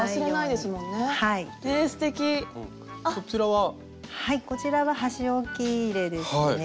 はいこちらは箸置き入れですね。